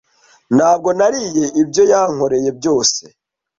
Ntabwo nariye ibyo yankoreye byose.